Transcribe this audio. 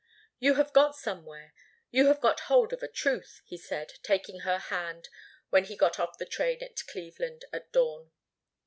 "You have got somewhere. You have got hold of a truth," he said, taking her hand when he got off the train at Cleveland, at dawn.